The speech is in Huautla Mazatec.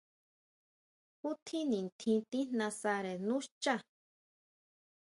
¿Ju tjín nitjín tíjnasare nú xchá?